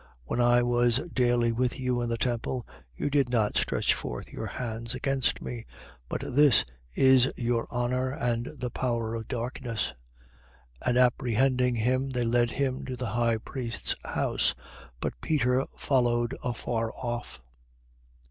22:53. When I was daily with you in the temple, you did not stretch forth your hands against me: but this is your hour and the power of darkness. 22:54. And apprehending him, they led him to the high priest's house. But Peter followed afar off.